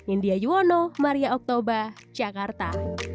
india yuwono maria oktober jakarta